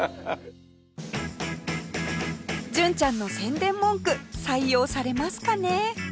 純ちゃんの宣伝文句採用されますかね？